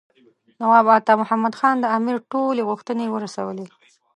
نواب عطا محمد خان د امیر ټولې غوښتنې ورسولې.